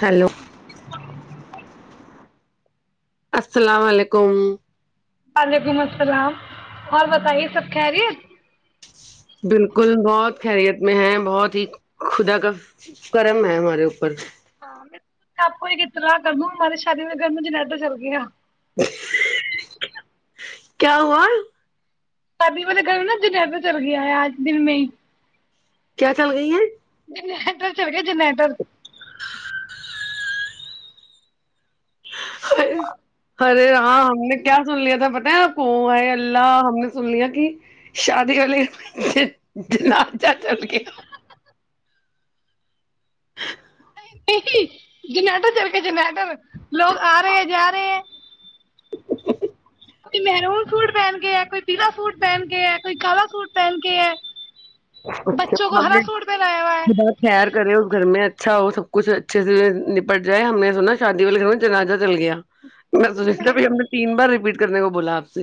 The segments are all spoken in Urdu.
ہیلو [unintelligible] السلام علیکم وعلیکم السلام اور بتائیے سب کہہریی ہے بالکل بہت خیریت میں ہے بہت ہی خدا کا کرم ہے ہمارے اوپر ہاں آپ ہی کتنا گرم ماراری شادی میں گرم جنڈا چل گیا کیا ہوا [unintelligible] ابھی والیرے گھر میں نا جنیا پہ چل گیا ہے آج دن میں ہی کیا چل گئی ہیں [unintelligible] ادھر چل گیا جنا ادھر ہرے رام نے کیا سن لیا تھا کو آ اللہ ہم نے سن لیا کہ شادی والی چا چل کیا [unintelligible] [inaudible] نہیں جنیٹر چل کے جنیٹر لوگ آ رہے ہیں جا رہے [inaudible] کویی مرون سوٹ پہن کے ہے کوئی پیلا سوٹ پہن کے ہے کوئی کالا سوٹ پہن کے ہے اچھا بچوں کو ہرا سوٹ پہنایا ہوا ہے ہم خیر کرے اس گھر میں اچھا ہو سب کچھ اچھے سے نپٹ جائے ہم نے سنا شادی والے گھر میں جنازہ چل گیا میں نہیں دیک نہیں ہم نے تین بار رپیٹ [inaudible] کرنے کو بولا آپ سے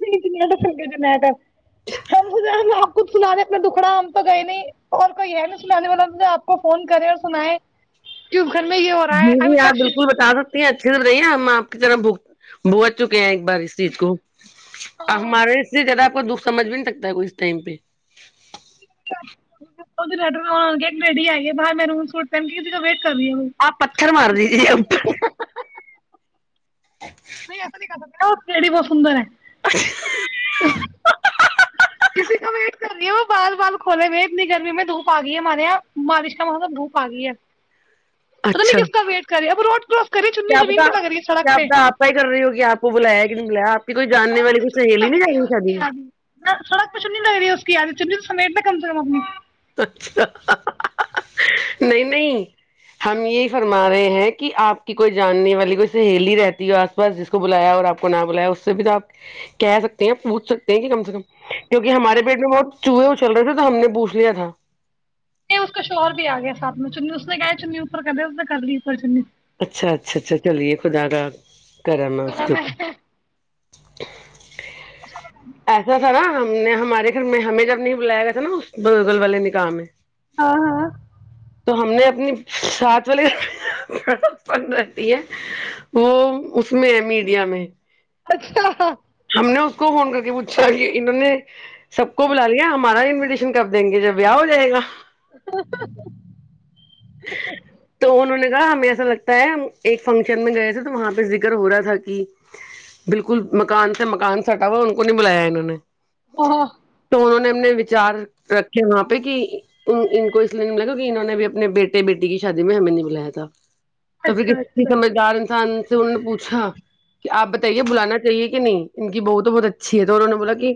نہیں نہیں تو تھ ہم ہم آپ خود سناے اپنا دکھڑا ہم تو گئے نہیں اور کوئی ہے نا سنانے والا آپ کو فون کرے اور سنائے کہ [inaudible] رہا جی ہے ابھی جی آپ تک بالکل بتا سکتی ہیں اچھی سےر رہی ہیں آپ آپ کی طرح بگھت بگھت چکے ہیں ایک بار اس چیز کو ا ہمارے سے جرا [inaudible] کو دکھ سمجھ بھی نہیں سکتا ہے کوئی اس ٹائم پہ ا لی لٹر میں آ گیا ری آئیئے باہ میں روم سوٹ پ کی وٹ [inaudible] آپ پتھر مار دی ت نہیں نہیں پڑی بہ سندر ہے [inaudible] [inaudible] وٹ کرنی بار بار کھولے ہوئے اتنی گرمی میں دھوپ آگئی ہے ہمارے یہاں بارش کا موسم دھوپ آگئی ہے پتہ نہیں اچھا کس کا ویٹ کر رہے روڈ کیس [unintelligible] کیا پتہ کیا پتہ اپ کا ہی کر رہی ہوگی اپ کو بلایا ہے [inaudible] سڑک والی پہ کوئی چننی سہیلی لگ نہیں جا رہی ہے اس کی شادی میں یادی سڑک پہ چننی لگ رہی ہے اس کی یادی [inaudible] ج سمیٹ کم سے کم اپنی [inaudible] نہیں نہیں ہم یہی فرما رہے ہیں کہ آپ کی کوئی جاننے والی کوئی سہیلی رہتی ہو آس پاس جس کو بلایا اور آپ کو نہ بلایا اس سے بھی تو آپ کہہ سکتے ہیں پوچھ سکتے ہیں کہ کم سے کم کیونکہ ہمارے پیٹ میں بہت چوہے ا چل رہے تھے تو ہم نے پوچھ یا تھا [unintelligible] نہیں اس کا شوہر بھی آ گیا سھ میں چنی اس نے کہیا چننی اوپر کر دے اس نے کر لی اوپر چنی سے [inaudible] اچھا اچھا اچھا چلیے خدا کا کر نا کرا اسکپ میں [unintelligible] تو [unintelligible] ایسا تھا نا نے ہمارے گھر میں ہمیں جب نہیں بلایا گیا تھا نا اس بگل والے نکاح ہے ہاں ہاں تو ہم نے اپنی ساتھ والیند ر ہے وہ اس میں ہے میڈیا میں اچھا ہم نے اس کو فون کر کے پوچھا کہ انہوں نے سب کو بلا لیا ہمارا انویٹیشن کب دیں گے جب بیاہ ہو جائے گا تو انہوں نے کہا ہمیں ایسا لگتا طے ہم ایک فنکشن میں گئے تھے تو وہاں پہ ذکر ہو رہا تھا کہ بالکل مکان سے مکان سٹا ہوا ان کو نہیں بلایا انہوں نے ہاں تو انہوں نے ہم نے وچار رکھے وہاں پہ کہ ان کو اس لیے نہیں ملاے کیکہ انہوں نے بھی اپنے بیٹے بیٹی کی شادی میں ہمیں نہیں بلایا تھا تو پھر اچھا کسیسی اچھا سمجھدار انسان سے انہوں نے پوچھا کہ آپ بتائیے بلانا چاہیے کہ نہیں ان کی بت تو بہت اچھیا اچھی ہے تو انہوں نے بولا کہ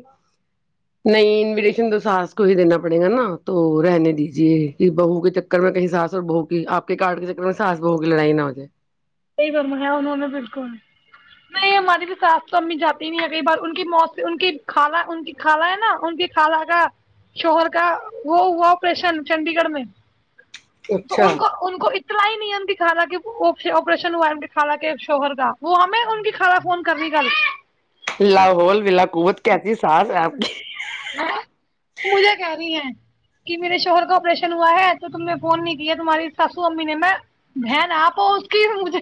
نہیں انویٹیشن تو ساس کو ہی دینا پڑے گا نا تو رہنے دیجے کہ بہو کے چکر میں کہیں ساس اور بہو کی آپ کے کارڈ کے چکر میں ساس بہو کی لڑائی نہ ہوجائے بمیا انہوں نے بالکل نہیں ہماری تو ساس تو امی جاتی نہیں ہے کئی بار ان کی موت سے ان کی خال ان کی خالہ ہے نا ان کی خالہ کا شوہر کا وہ ہوا آپریشن چنڈی گڑھ میں تو اچھا ان کو ان کو اتنا ہی نیم دکھا رہا کہ اوکے اکے ریشن ہوا کالا کے شوہر کا وہ ہمیں ان کی کھالا فون کرنی کل لاہول ولاقوت کہتی مجھے کہ رہی ہیں کہ میرے شوہر کا آپریشن ہوا ہے تو تم نے فون نہیں کیا تمہاری ساسو امی نے میں بہن آپ اس کیج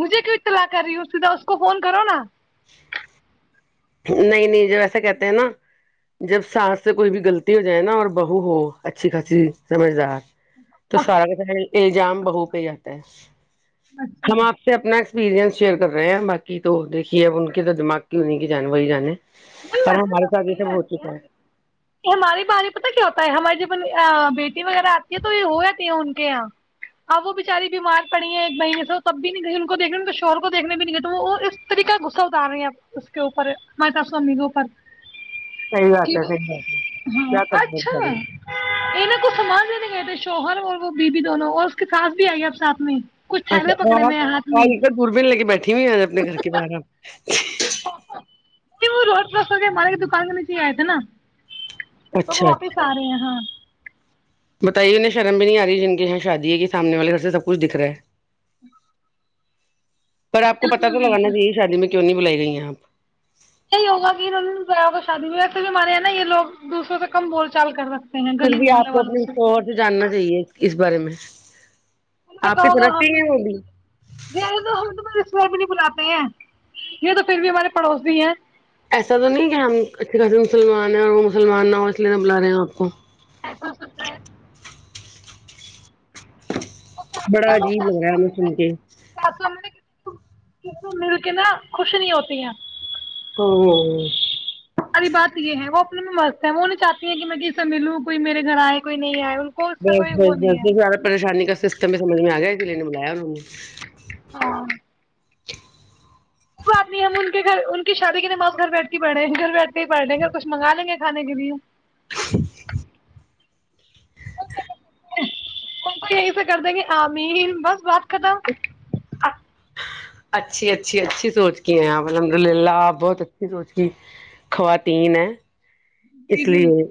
مجھے کیوں اطلاع کر رہی ہوں سیدھا اس کو فون کرو نا نہیں نہیں جب ایسا کہتے ہیں نا جب سانس سے کوئی بھی غلطی ہو جائے نا اور بہو ہو اچھی خاصی سمجھدار تو سارا کتا ہے الزام بہو کہ ہی آتا ہے اچھا ہم آپ سے اپنا سپیرئنس شیئر کر رہے ہیں باقی تو دھیے اب ان کے تو دماغ کی ہو نہیں کی جان وہی جانے نہیں پر ویسے ہمارے ب ساتھ یہ صی سب ہو رہتی ہے چکا کہ ہمارے بارے میں پتا کیا ہوتا ہے ہماریے جب بیٹی وغیرہ آتی ہے تو یہ ہو جاتی ہے ان کے یہاں اب وہ بچاری بیمار پڑی ہے ایک بہنے سے تب بھی ان کو دنے تو شہور کو دیکھنے بھی نلے اس طریق کا گغصہ اتارے ہیں ا اس کے اوپر میں سمی کوو پر صحیح بات کہ ہے وہ صحیح بات ہے ہاں کیا کریں گے اچھا بچارے انیں کو سامان دینے گئے تھے شوہر اور وہ بیوی دونوں اور اس کے خاس بھی آئی ہے آپ سات میں کچھ تھیلے اچھا پکڑے ہوئے ہیں ہاتھ آپ آ میں تو دوربین لے کے بیٹھی ہوئی آ اپنے گھر کے باہر آپ وہ روز پر سو ہمارے کی دکان کے نیچے آئے تھے نا تو وہ اچھا واپس اچھا آ رہے ہیں ہاں بتائیے انہیں شرم بھی نہیں آ رہی جن کے یہاں شادی ہے کہ سامنے والے گھر سے سب کچھ دکھ رہا ہے پر آپ کو پتا تو بالکل لگانا چاہے شادی میں کیوں نہیں بلائی گئی ہیں آپ صی ہوگا ہوگا شادی میں ویسے بھی مارے ہیں نا یہ لوگ دوسروںے سے کم بول چال کر رہا ہیں پھر گلی بھی محلے آپ کو والوں اپنے شور سے جاننا چاہیے اس بارے میں میں آپ کی کہوں گا ہم طرف سے ہی ہیں وہ بھی تو ہم بھی نہیں بلاتے ہیں یہ تو پھر بھی ہمارے پڑوس بھی ہیں ایسا تو نہیں کہ ہم اچھے خاصے مسلمان ہیں اور وہ مسلمان نہ اس لیے بلا رہے ہیں آپ کو [unintelligible] اور بڑا ساتھ میں لوگ عجیب لگ رہا ہے ا سن کے ک سے مل کے نا خوش نہیں ہوتی ہیں او [unintelligible] اری بات یہ ہے وہ اپنے میں مست ہے وہ نہیں چاہتی ہیں کہ میں کسے ملوں کوئی میرے گھر آئے کوئی نہیں آئے کو اس سے بس کوئی وہ بس نہیں بس ہے زیادہ پریشانی کا سسٹم بھی سج میں آ گیا س لیے نے بلایا انوں نے ہاں [unintelligible] کوئی بات نہیں ہم ان کے گھر ان کی شادی کے نمس گھر بیٹھ کے پڑھے ہیں گھر بیٹھ پڑھیں گے کھنگا لیں گے کھانے کی لی تو یہی سے کر دیں گے آمی ہی بس بپ ک تو [unintelligible] اچھی اچھی اچھی سوچ کی ہیں آپ الحمد للہ آپ بہت اچھی سوچ کی خواتین ہیں جی اس جی لیے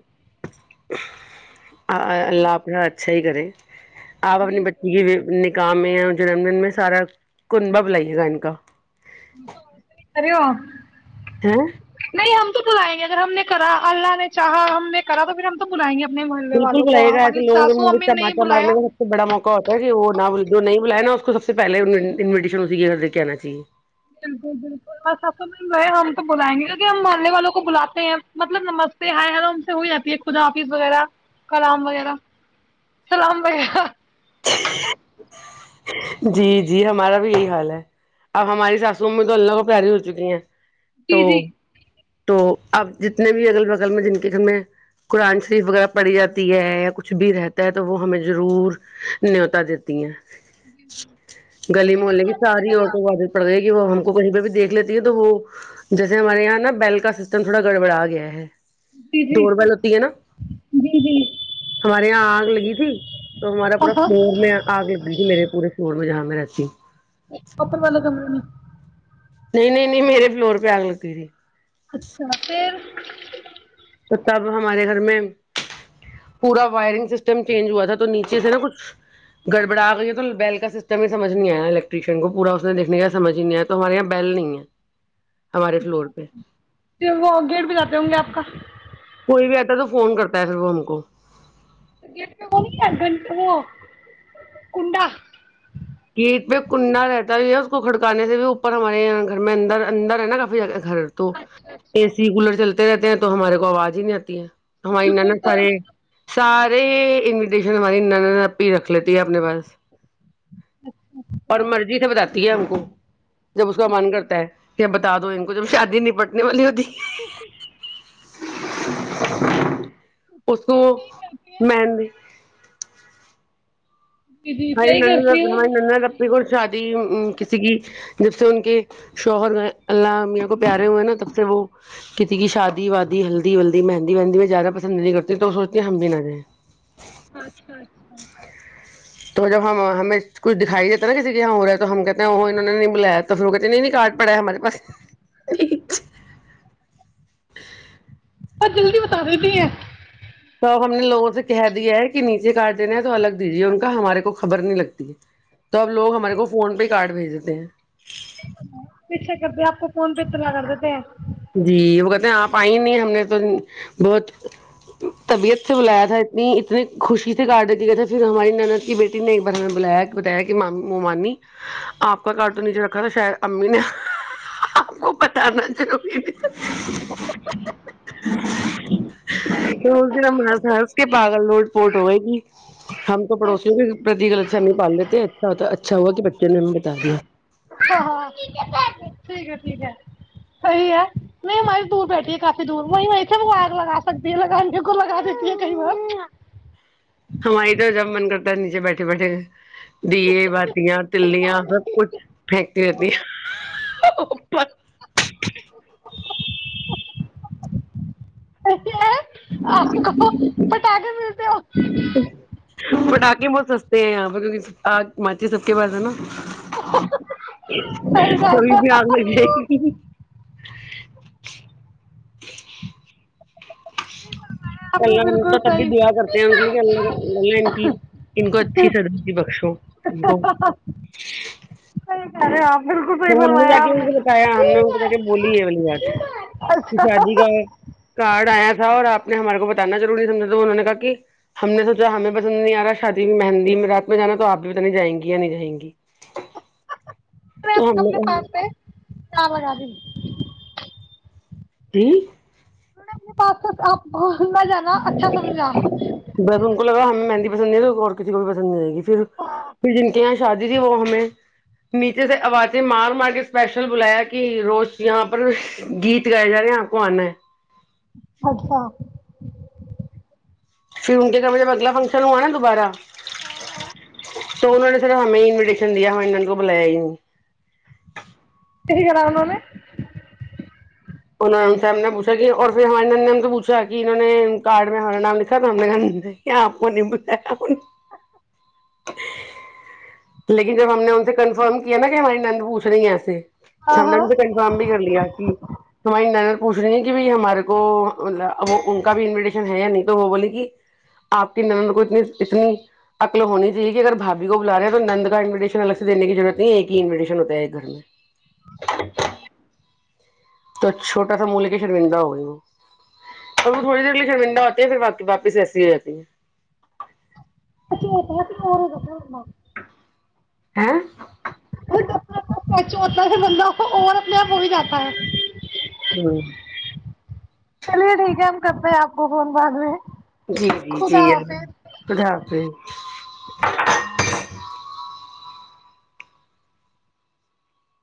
[unintelligible] [inaudible] اللہ آ [unintelligible] چھئی کر [unintelligible] آپ اپنی بچی بالکل کی [unintelligible] گاؤ میں اور جنم دن میں سارا کن با بلائیے گا ان کا [unintelligible] اریو [unintelligible] ہ [unintelligible] نہیں ہم تو بلائیں گے اگر ہم نے کرا اللہ نے چا ہم نے کرا تو پھر ہم تو بلائیں گے اپنے محلے بالکل والوں کو بلائی رہا ہماری ہےے لوگ کے ساسو امی نے نہیں مےٹماٹا مار بلایا کا سب سے بڑا موقع ہوتا ہے کہ وہ نہ بل جو نہیں بلایا نا اس کو سب سے پہلے انویٹیشن اسی کے گھر دے کے آنا چاہیے بالکل بالکل بس ہم تو بلائیں گے کیکہ ہم ماننے والوں کو بلاتے ہیں مطلب نمستے ہائےل سے ہو جاتی ہے خدا حافظ وغیرہ کلام وغیرہ سلام وغیرہ [inaudible] جی جی ہمارا بھی یہی حال ہے اب ہماری ساسووں میں تو اللہ کو پیاری ہو چکی ہیں جی تو جی تو اب جتنے بھی اگل بغل میں جن کے گھر میں قرآن شریف وغیرہ پڑھی جاتی ہے یا کچھ بھی رہتا ہے تو وہ ہمیں ضرور نیوتا دیتی ہیں گلی محے کی ساری اورت وادت پڑ گئی کہ وہ ہم کو کہیں پہ بھی جی دیکھ لیتی ہے ہو جیسے ہمارے یہاں نا بیل کا سسٹم تھوڑا گڑبڑا گیا ہے جی دوورپل ہوتی ہے نا جی جی ہمارے یہاں آگ لگی تھی تو ہمارا پورا ہاں میں آگ لگی تھی میرے پورے شوور میں جامرات پپا والال کمل نہیں نہیں نہیں نہیں میرے فلور پہ آگ لگی تی اچھا پھر تو تب ہمارے گھر میں پورا وائرنگ سسٹم چینج ہوا تھا تو نیچے سے نا کچھ گڑبڑا گئی تو بیل کا سسٹم ہی سمجھ نہیں آیا نا الیکٹریشین کو پورا اس نے دیکھنے کا سمج ہی نہیں آیا تو ہمارے یہاں بیل نہیں ہے ہمارے فلور پہ وہ گیٹ ب جاتے ہوں گے آپ کا کوئی بھی آتا ہے تو فون کرتا ہے پھر وہ ہم کو گیٹ میں وہ ن گھنٹ وہ کنڈا کیٹ پہ کنڈا رہتا بھی ہے اس کو کھڑکانے سے بھی اوپر ہمارےاں گھر میں اندر اندر ہے نا کافی جگہ گھر تو اچھا اچھا اے سی کولر چلتے رہتے ہیں تو ہمارے کو آواز ہی نہیں آتی ہے ہم انا بالکل نہ تو سارے سار ارے انویٹیشن ہماری ن ا ہی رکھ لیتی ہے اپنے پاس اچھا اور مرضی سے بتاتی ہے ہم کو جب اس کا مان اچھا کرتا ہے کہ تا دو ان کو ج شادی نپٹنے والی ہوتی اس کو صحیح کرتی ہے م جی جی ہائی صحیح نا کرتی ہوں ہائی ننا پپے کول شادی کسی کی جب سے ان کے شوہر اللہ میاں کو پیارے ہوئے نا تب سے وہ کسی کی شادی وادی ہلدی ولدی مہندی مہندی میں زیادہ پسند نہیں کرتی تو وہ سوچتی ہیں ہم بھی نہ جائیں اچھا اچھا تو جب ہم ہمیں کچھ دکھائی دیتا ہے نا کسی کے یہاں ہو رہا ہے تو ہم کہتے ہیں وہ انہوں نے نہیں بلایا تو پھر وہ کہتے ہیں نہیں نہیں کارڈ پڑا ہے ہمارے پاس آ جلدی بتا دیتی ہیں تو اب ہم نے لوگوں سے کہہ دیا ہے کہ نیچے کاٹ دینا ہے تو الگ دیجیے ان کا ہمارے کو خبر نہیں لگتی ہے تو اب لوگ ہمارے کو فون پہ ہی کاڈ بھیج دیتے ہیں پیچھا کر د آپ کو فون پہ تولا کر دتےے جی وہ کہتے ہیں آپ آئی نہیں ہم نے تو بہت طبیعت سے بلایا تھا اتنی اتنی خوشی سے کارٹو دی گئے تھے پھر ہماری نند کی بیٹی نے ایک بار ہمیں بلایا بتایا کہ مومانی آپ کا کارٹ نیچے رکھا تھا شاید امی نے آپ کو پت نہ چل [unintelligible] توھر اس دن ہم ہس ہنس کے پاگل نوٹتی پپورٹ ہوئے گی ہم تو پڑوسیوں بھی پرتیغلط امی پال لیتے اچھا اچھا ہوا کہ بچے نے ہمیں بتا دیا ہاں ہاں ٹھیک ہے ٹھیک ہے صحی ہے نہیں ہماری دور بیٹھی ہے کافی دور وہ میں اے بھی آگ لگا سکتی ہے لگان کو لگا دیتی ہے کئی بار ہماری تو جب من کرتا ہے نیچے بیٹھے بیٹھے دیئے بااتیا تلیا سب کچھ پھینکتی رہتییا ہے آپ کو پٹاخے ملتے ہو پٹاک [unintelligible] آگے بہت سستے ہیں یہاں پہ کیکہ آگ ماچی سب کے پاس ہے نا صحیح بات کبھی بھی آگ لگ جائے گی اا [unintelligible] اللہ کو تب بھی دع کرتے ہیں ان کے لے اللہ اللہ ان کی ان کو اچھی صداتی بخشو ان کو ے آپ بالکل پھر صحیح ہم نے جا فرمایا کے آپ ان کو بتایا ہم نے ان کو جا کے بولی ہے اگلی بات کہ اچھا شادی کا کارڈ آیا اور آپ نے ہمارے کو بتانا ضرور نہیں سمجھا تو انہوں نے کہا کہ ہم نے سوچا ہمیں پسند نہیں آ رہا شادی میں مہندی میں رات میں جانا تو آپ بھی پت نہیں جائیں گی یا نہیں جائیں گی تو ہم ک نے اپنے کہا پالتے ہے جام رب [unintelligible] جی [unintelligible] پس آپ نہ جانا اچھا سمجھا بس ان کو لگا ہمیں مہندی پس نہیں ل اور کسی کو بھی پسند نہیں گی پھر ک جن کیا شادی تھی وہ ہمیں نیچے سے آوازیں مار مار کے اسپیشل بلایا کہ روز یہاں پر گیت گائے جا رہے ہیں آپ کو آنا ہے اچھا پھر ان کے کمے میں میں اگلا فنکشن ہوا نا دوبارہ ہاں ہاں سو انہوں نے سر ہمیں انویٹیشن دیا ہمیں ان کو بلایا ہی نہیں ک کرا انہ نے انہوں نے سے ہم نے پوچھا کہ اور پھر ہماریے نند نے ہم سے پوچھا کہ انہوں نے کارڈ میں ہمارا نام لکھا تو ہم نے آپ کوتا لیکن جب ہم نے ان سے کنفرم کیا نا کہ ہماری نند پوچھ رہی ہیں ایسے ہاں سمنا ہاں نے تو کنفرم بھی کر لیا کی ہماری ند پوچھ رہی ہیں کہ ہمارے کو ان کا بھی انویٹیشن ہے یا نہیں تو وہ بول کہ آپ کی ن کو اتنی اتنی عکل ہونی چاہیے کہ اگر بھابھی کو بلا رہے ہیں تو نند کا انویٹیشن الگ سے دینے کی ضرورت نہیں ایک ہی انویٹیشن ہوتا ہے ایک گھر میں تو چھوٹا سا منہ لے کے شرمندہ ہو گی وہ اور وہ تھوڑی دیر لیے شرمندہ ہوتی ہیں پھراق واپس ایسی ہو جاتی ہے چ اورسا ہاں [unintelligible] چ ہوتا ہے بندوں کو اور اپنے آپ ہو ہی جاتا ہے ہاں [unintelligible] چلیے ٹھیک ہے ہم کرتے ہیں آپ کو فون بعد میں جی جی جی خدا حافظ اٹھاف [inaudible]